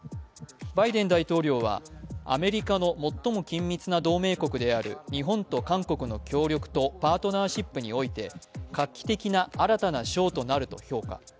バイデン大統領は、アメリカの最も緊密な同盟国である日本と韓国の協力とパートナーシップにおいて画期的な新たな章となると評価。